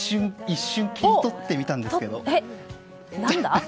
一瞬切り取ってみたんですけど。